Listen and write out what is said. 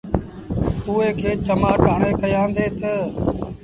اُئي کي چمآٽ هڻي ڪهيآندي تا